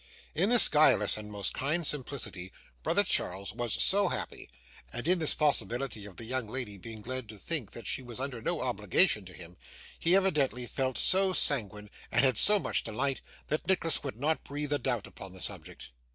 In this guileless and most kind simplicity, brother Charles was so happy, and in this possibility of the young lady being led to think that she was under no obligation to him, he evidently felt so sanguine and had so much delight, that Nicholas would not breathe a doubt upon the subject.